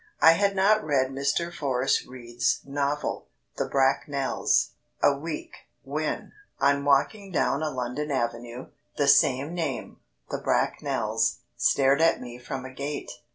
I had not read Mr Forrest Reid's novel, The Bracknels, a week, when, on walking down a London avenue, the same name "The Bracknels" stared at me from a gate.